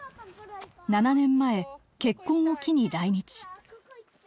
７年前結婚を機に来日。